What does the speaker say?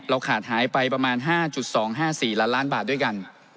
ขาดหายไปประมาณ๕๒๕๔ล้านล้านบาทด้วยกัน